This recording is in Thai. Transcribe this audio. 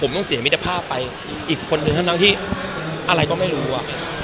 หรือมิจภาพไปอีกคนหนึ่งทั้งที่อะไรก็ไม่รู้อะ